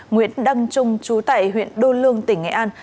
nguyễn đăng trung trú tại huyện đô lương tỉnh nghệ an